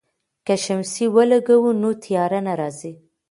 که شمسی ولګوو نو تیاره نه راځي.